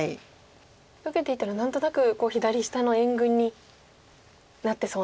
受けていたら何となく左下の援軍になってそうな。